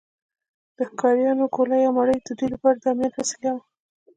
د ښکاریانو ګوله یا مړۍ د دوی لپاره د امنیت وسیله وه.